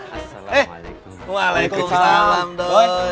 eh waalaikumsalam doi